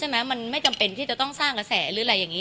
มันไม่จำเป็นที่จะต้องสร้างกระแส